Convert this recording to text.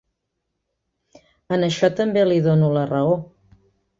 En això també li dono la raó.